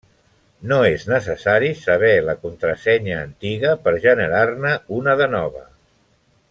No és necessari saber la contrasenya antiga per generar-ne una de nova.